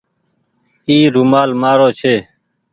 اي رومآل مآرو ڇي۔